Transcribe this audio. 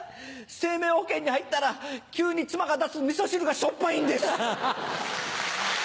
生命保険に入ったら急に妻が出すみそ汁がしょっぱいんです。